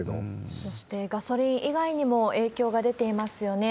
そして、ガソリン以外にも影響が出ていますよね。